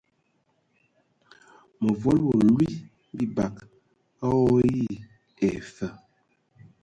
Mǝ volo wa lwi bibag o ayi ai fa.